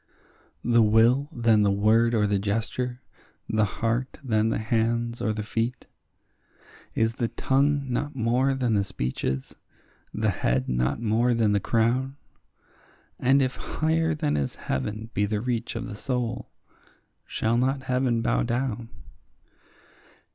The will than the word or the gesture, the heart than the hands or the feet? Is the tongue not more than the speech is? the head not more than the crown? And if higher than is heaven be the reach of the soul, shall not heaven bow down?